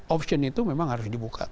option itu memang harus dibuka